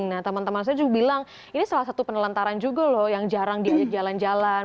nah teman teman saya juga bilang ini salah satu penelantaran juga loh yang jarang diajak jalan jalan